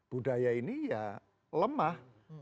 budaya ini ya lemah